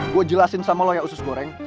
gue jelasin sama lo ya usus goreng